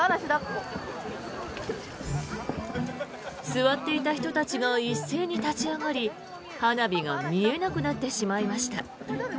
座っていた人たちが一斉に立ち上がり花火が見えなくなってしまいました。